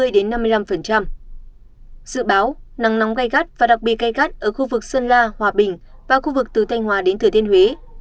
dự báo nắng nóng gai gắt và đặc biệt gai gắt ở khu vực sơn la hòa bình và khu vực từ thanh hòa đến thừa thiên huế